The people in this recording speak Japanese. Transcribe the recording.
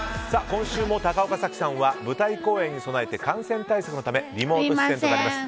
今週も高岡早紀さんは舞台公演に備えて感染対策のためリモート出演です。